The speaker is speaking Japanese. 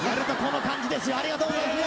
ありがとうございます！